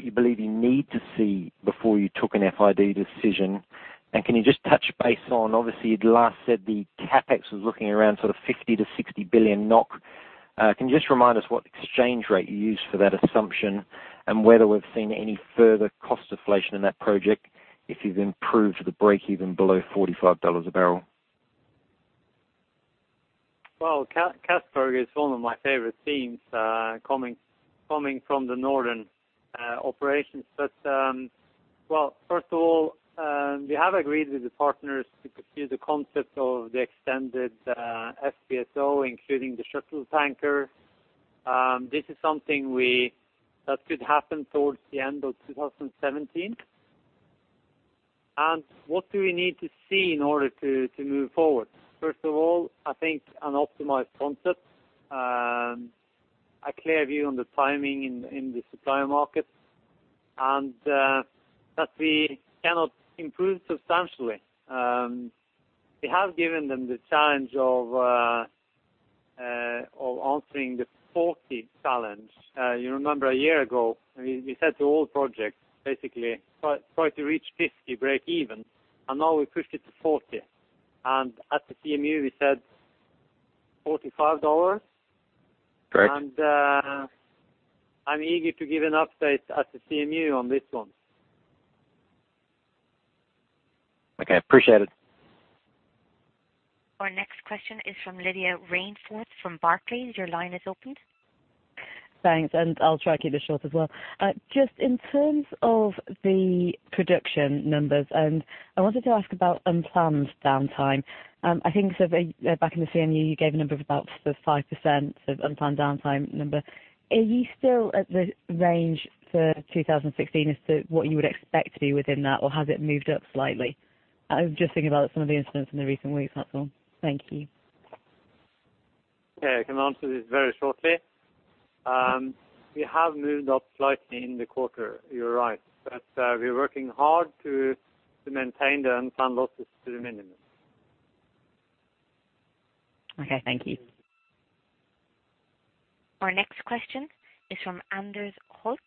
you believe you need to see before you took an FID decision? Can you just touch base on obviously you'd last said the CapEx was looking around sort of 50 billion-60 billion NOK. Can you just remind us what exchange rate you used for that assumption and whether we've seen any further cost deflation in that project, if you've improved the break even below $45 a barrel? Well, Castberg is one of my favorite themes, coming from the northern operations. Well, first of all, we have agreed with the partners to pursue the concept of the extended FPSO, including the shuttle tanker. This is something that could happen towards the end of 2017. What do we need to see in order to move forward? First of all, I think an optimized concept, a clear view on the timing in the supplier markets and that we cannot improve substantially. We have given them the challenge of answering the $40 challenge. You remember a year ago, I mean, we said to all projects, basically try to reach $50 breakeven, and now we pushed it to $40. At the CMU, we said $45. Great. I'm eager to give an update at the CMU on this one. Okay, appreciate it. Our next question is from Lydia Rainforth from Barclays. Your line is opened. Thanks. I'll try to keep this short as well. Just in terms of the production numbers, I wanted to ask about unplanned downtime. I think sort of back in the CMU, you gave a number of about sort of 5% of unplanned downtime number. Are you still at the range for 2016 as to what you would expect to be within that, or has it moved up slightly? I was just thinking about some of the incidents in the recent weeks, that's all. Thank you. Yeah, I can answer this very shortly. We have moved up slightly in the quarter, you're right. We're working hard to maintain the unplanned losses to the minimum. Okay, thank you. Our next question is from Anders Holte,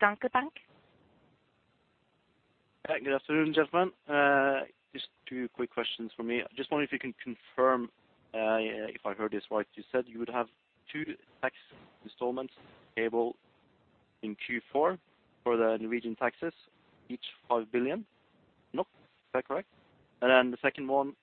Danske Bank. Hi, good afternoon, gentlemen. Just two quick questions from me. I just wonder if you can confirm, if I heard this right, you said you would have two tax installments payable in Q4 for the Norwegian taxes, each 5 billion, is that correct? The second one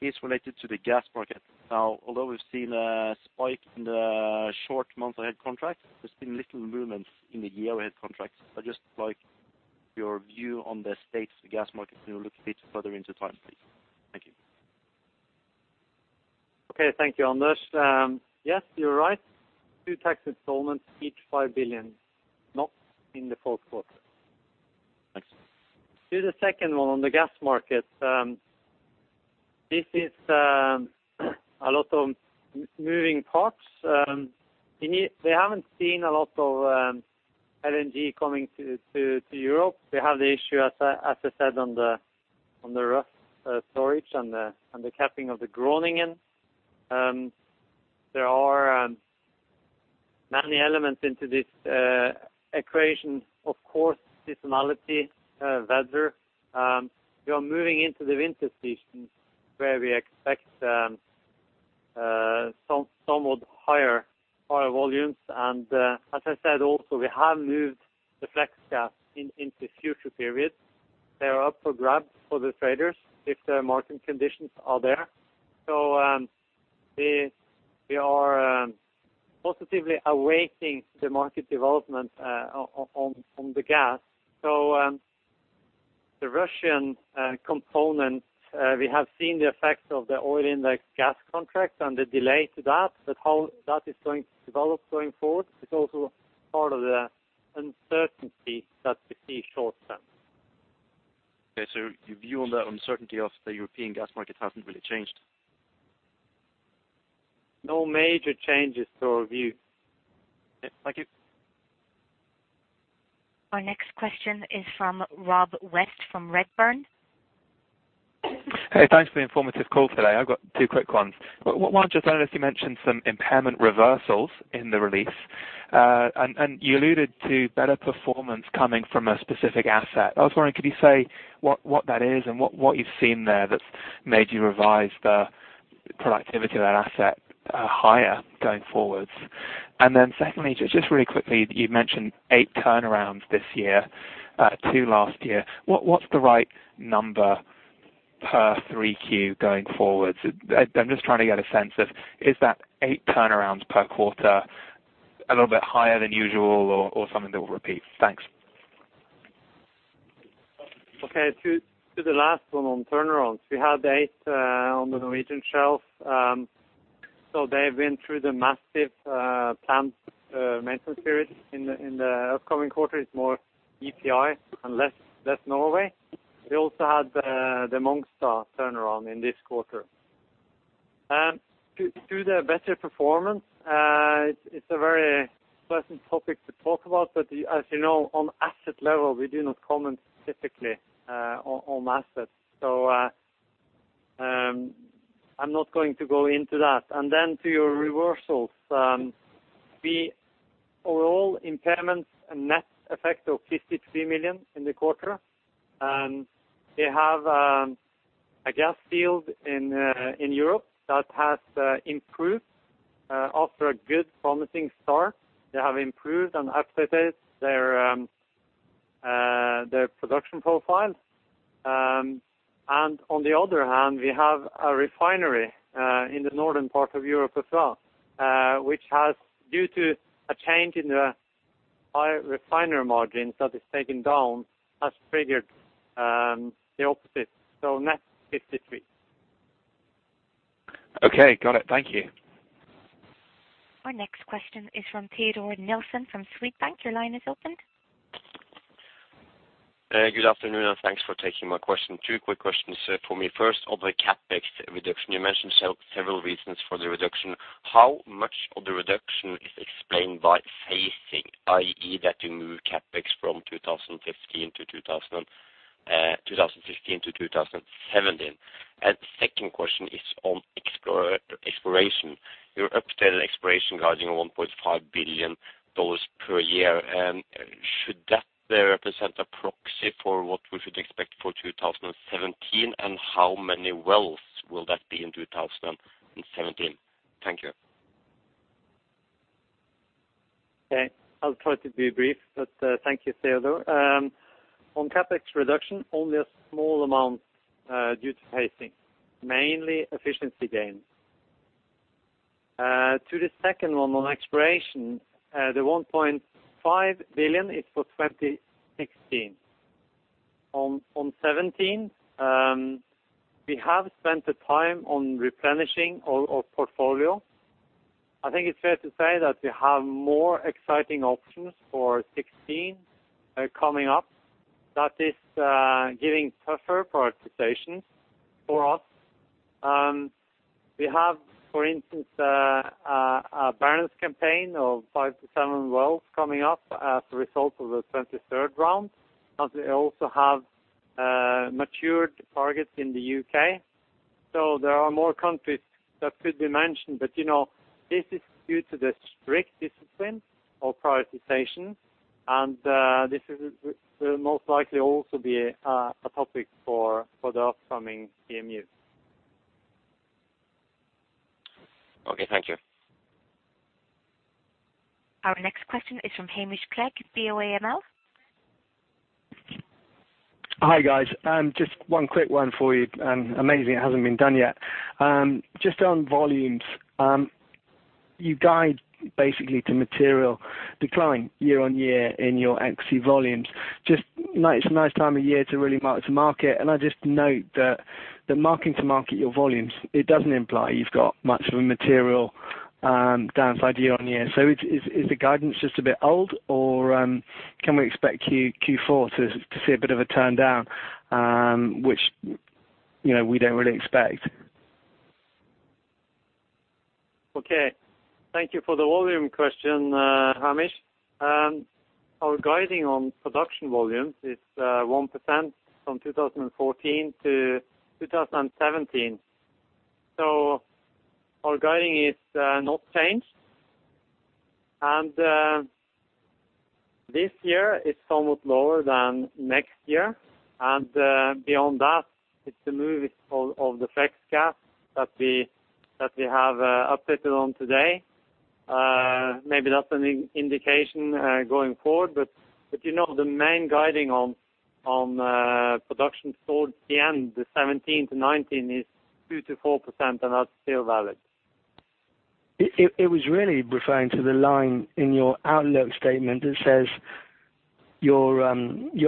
is related to the gas market. Now, although we've seen a spike in the short months ahead contracts, there's been little movement in the year ahead contracts. I'd just like your view on the state of the gas market when you look a bit further into time, please. Thank you. Okay. Thank you, Anders. Yes, you're right. Two tax installments, each 5 billion in the fourth quarter. Thanks. To the second one on the gas market, this is a lot of moving parts. We haven't seen a lot of LNG coming to Europe. We have the issue, as I said, on the Rough storage and the capping of the Groningen. There are many elements into this equation. Of course, seasonality, weather. We are moving into the winter season where we expect some somewhat higher volumes. As I said, also, we have moved the flex gas into future periods. They are up for grabs for the traders if the market conditions are there. We are positively awaiting the market development on the gas. The Russian component, we have seen the effects of the oil-indexed gas contract and the delay to that, but how that is going to develop going forward is also part of the uncertainty that we see short term. Okay. Your view on the uncertainty of the European gas market hasn't really changed? No major changes to our view. Okay. Thank you. Our next question is from Rob West from Redburn. Hey, thanks for the informative call today. I've got two quick ones. One, just earlier you mentioned some impairment reversals in the release. And you alluded to better performance coming from a specific asset. I was wondering, could you say what that is and what you've seen there that's made you revise the productivity of that asset higher going forwards? And then secondly, just really quickly, you mentioned 8 turnarounds this year, 2 last year. What's the right number per 3Q going forward? I'm just trying to get a sense of, is that 8 turnarounds per quarter a little bit higher than usual or something that will repeat? Thanks. Okay. To the last one on turnarounds, we had 8 on the Norwegian Shelf. They've been through the massive plant maintenance period. In the upcoming quarter, it's more EPI and less Norway. We also had the Mongstad turnaround in this quarter. To the better performance, it's a very pleasant topic to talk about, but as you know, on asset level, we do not comment specifically on assets. I'm not going to go into that. Then to your reversals, overall impairments, a net effect of $53 million in the quarter. They have a gas field in Europe that has improved. Off to a good promising start. They have improved and upgraded their production profile. On the other hand, we have a refinery in the northern part of Europe as well, which has, due to a change in the higher refinery margins that has tanked, has triggered the opposite. Net $53. Okay. Got it. Thank you. Our next question is from Teodor Nilsen from Swedbank. Your line is open. Good afternoon, and thanks for taking my question. Two quick questions for me. First, on the CapEx reduction, you mentioned several reasons for the reduction. How much of the reduction is explained by phasing, i.e. that you move CapEx from 2015 to 2017? Second question is on exploration. Your updated exploration guidance $1.5 billion per year. And should that represent a proxy for what we should expect for 2017? And how many wells will that be in 2017? Thank you. Okay. I'll try to be brief, but, thank you, Teodor. On CapEx reduction, only a small amount due to pacing, mainly efficiency gains. To the second one on exploration, the $1.5 billion is for 2016. On 2017, we have spent the time on replenishing our portfolio. I think it's fair to say that we have more exciting options for 2016 coming up that is giving tougher prioritizations for us. We have, for instance, a Barents campaign of five to seven wells coming up as a result of the 23rd round. We also have matured targets in the U.K. There are more countries that could be mentioned, but, you know, this is due to the strict discipline of prioritization. This will most likely also be a topic for the upcoming CMU. Okay, thank you. Our next question is from Hamish Clegg, BofA Merrill Lynch. Hi, guys. Just one quick one for you, amazingly it hasn't been done yet. Just on volumes, you guide basically to material decline year-over-year in your exit volumes. It's a nice time of year to really mark-to-market. I just note that the marking to market your volumes, it doesn't imply you've got much of a material downside year-over-year. Is the guidance just a bit old or can we expect Q4 to see a bit of a turndown, which, you know, we don't really expect? Okay. Thank you for the volume question, Hamish. Our guiding on production volumes is 1% from 2014-2017. Our guiding is not changed. This year it's somewhat lower than next year. Beyond that, it's the move of the flex cap that we have updated on today. Maybe that's an indication going forward. You know, the main guiding on production towards the end of 2017- 2019 is 2%-4%, and that's still valid. It was really referring to the line in your outlook statement that says your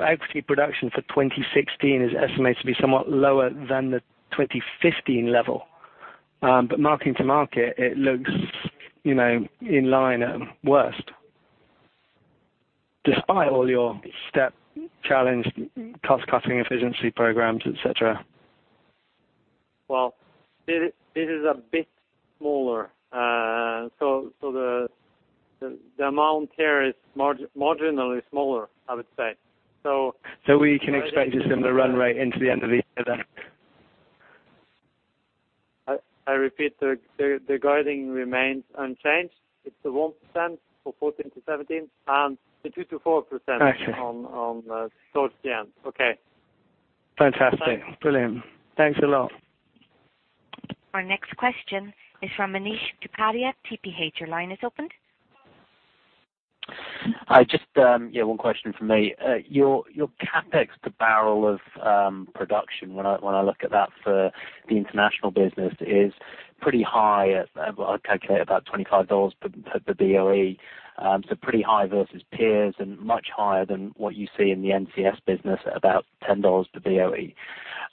equity production for 2016 is estimated to be somewhat lower than the 2015 level. But mark to market it looks, you know, in line at worst, despite all your step-change, cost-cutting efficiency programs, et cetera. Well, it is a bit smaller. So the amount here is marginally smaller, I would say. We can expect a similar run rate into the end of the year then? I repeat, the guidance remains unchanged. It's 1% for 2014-2017 and 2%-4%. Got you. towards the end. Okay. Fantastic. Thanks. Brilliant. Thanks a lot. Our next question is from Anish Kapadia, TPH. Your line is open. Hi. Just yeah, one question from me. Your CapEx to barrel of production, when I look at that for the international business, is pretty high at, well, I calculate about $25 per BOE. Pretty high versus peers and much higher than what you see in the NCS business at about $10 per BOE.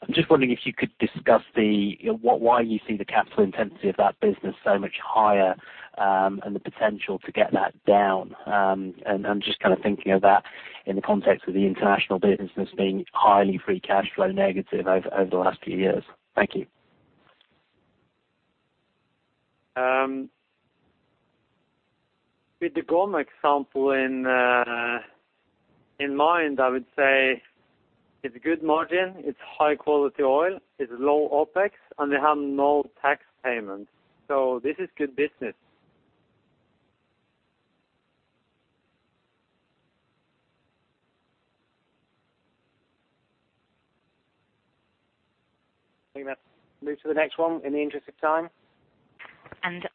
I'm just wondering if you could discuss why you see the capital intensity of that business so much higher, and the potential to get that down. I'm just kind of thinking of that in the context of the international business as being highly free cash flow negative over the last few years. Thank you. With the GoM example in mind, I would say it's good margin, it's high quality oil, it's low OpEx, and they have no tax payments. This is good business. Think I'm gonna move to the next one in the interest of time.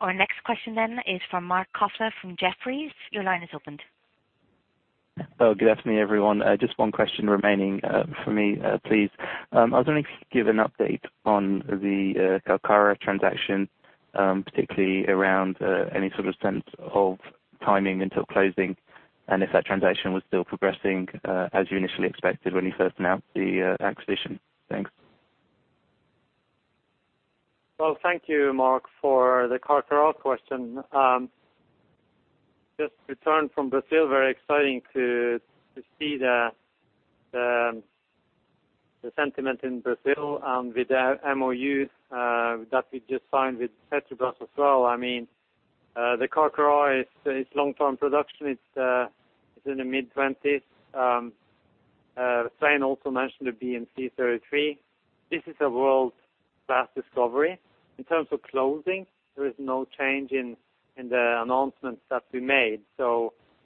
Our next question then is from Marc Kofler from Jefferies. Your line is open. Oh, good afternoon, everyone. Just one question remaining, for me, please. I was wondering if you could give an update on the Carcará transaction, particularly around any sort of sense of timing until closing, and if that transaction was still progressing, as you initially expected when you first announced the acquisition. Thanks. Well, thank you, Marc, for the Carcará question. Just returned from Brazil, very exciting to see the sentiment in Brazil with the MOU that we just signed with Petrobras as well. I mean, the Carcará is long-term production. It's in the mid-20s. Svein also mentioned the BM-C-33. This is a world-class discovery. In terms of closing, there is no change in the announcements that we made.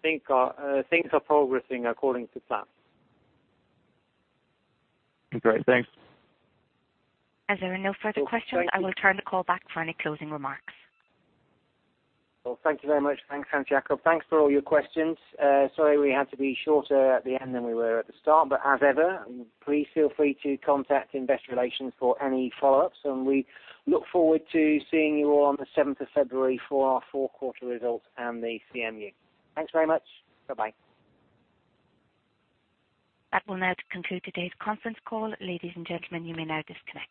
Things are progressing according to plan. Great. Thanks. As there are no further questions, I will turn the call back for any closing remarks. Well, thank you very much. Thanks, Hans Jakob. Thanks for all your questions. Sorry we had to be shorter at the end than we were at the start, but as ever, please feel free to contact investor relations for any follow-ups, and we look forward to seeing you all on the seventh of February for our fourth quarter results and the CMU. Thanks very much. Bye-bye. That will now conclude today's conference call. Ladies and gentlemen, you may now disconnect.